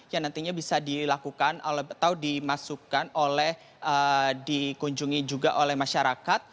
yang nantinya bisa dilakukan atau dimasukkan oleh dikunjungi juga oleh masyarakat